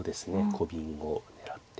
コビンを狙って。